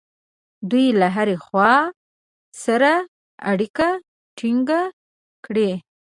دوی له هرې خوا سره اړیکه ټینګه کړي.